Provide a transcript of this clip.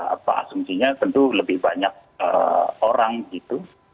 apa asumsinya tentu lebih banyak orang gitu